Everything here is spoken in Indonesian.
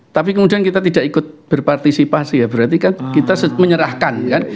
tapi kemudian kita tidak ikut berpartisipasi ya berarti kan kita menyerahkan kan